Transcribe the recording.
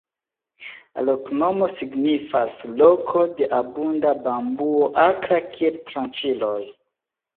La loknomo signifas: "loko de abunda bambuo akra kiel tranĉiloj".